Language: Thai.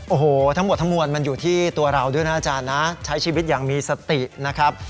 โอ้โหทั้งหมดทั้งมวลมันอยู่ที่ตัวเราด้วยนะอาจารย์นะใช้ชีวิตอย่างมีสตินะครับ